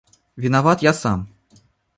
Виноват я сам.